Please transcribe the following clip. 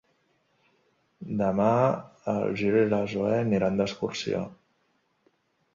Demà en Gil i na Zoè aniran d'excursió.